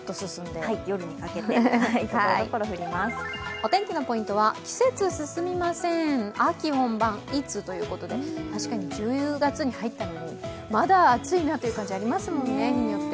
お天気のポイントは季節進みません、秋本番いつ？ということで確かに１０月に入ったのにまだ暑いなという感じありますもんね、日によって。